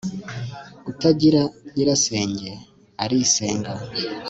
utagira nyirasenge arisenga